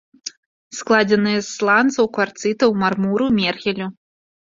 Складзеныя з сланцаў, кварцытаў, мармуру, мергелю.